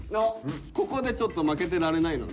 ここでちょっと負けてられないので。